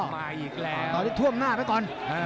ท่วมจอตอนนี้ท่วมหน้าไปก่อน